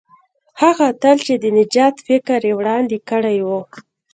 هغه اتل چې د نجات فکر یې وړاندې کړی وو.